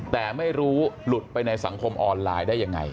แต่ไม่รู้หลุดไปในสังคมออนไลน์ได้ยังไง